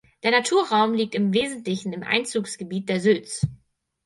Der Naturraum liegt im Wesentlichen im Einzugsgebiet der Sülz.